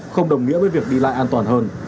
không đồng nghĩa với việc đi lại an toàn hơn